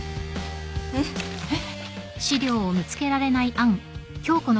えっ？えっ？